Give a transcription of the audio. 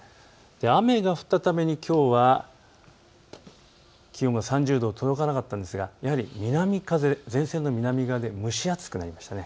雨が降ったためにきょうは気温が３０度に届かなかったんですがやはり南風、前線の南側で暑くなりました。